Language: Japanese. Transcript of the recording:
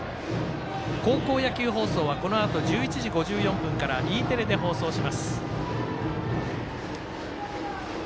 高校野球放送は、このあと１１時５４分からテレで放送します。